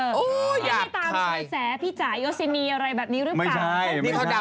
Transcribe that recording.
พี่หนุ่มเคลียร์ราชยังไม่เท่าบาปที่มึงมี